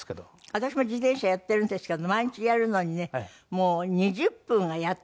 私も自転車やってるんですけど毎日やるのにねもう２０分がやっとですね。